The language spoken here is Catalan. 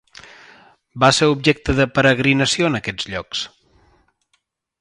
Va ser objecte de peregrinació en aquests llocs.